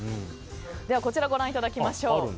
こちら、ご覧いただきましょう。